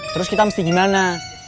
terus kita mesti gimana